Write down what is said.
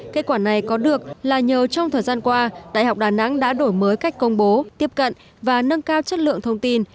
kết quả này có được là nhờ trong thời gian qua đại học đà nẵng đã đổi mới cách công bố tiếp cận và nâng cao chất lượng thông tin